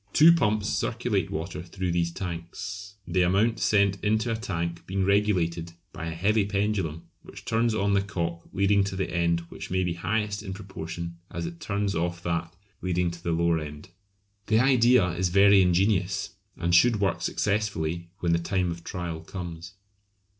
Two pumps circulate water through these tanks, the amount sent into a tank being regulated by a heavy pendulum which turns on the cock leading to the end which may be highest in proportion as it turns off that leading to the lower end. The idea is very ingenious, and should work successfully when the time of trial comes.